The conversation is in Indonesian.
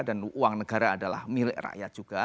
dan uang negara adalah milik rakyat juga